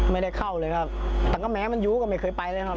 ไม่ได้เข้าเลยครับแต่ก็แม้มันอยู่ก็ไม่เคยไปเลยครับ